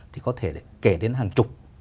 thì có thể kể đến hàng chục